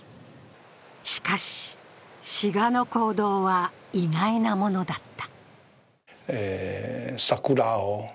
しかし、志賀の行動は意外なものだった。